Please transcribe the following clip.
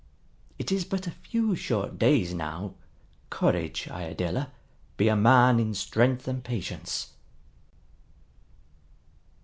It is but a few short days now. Courage, Iadilla, be a man in strength and patience."